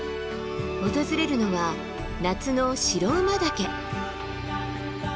訪れるのは夏の白馬岳。